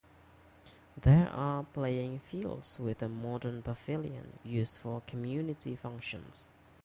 There are playing fields with a modern pavilion, used for community functions.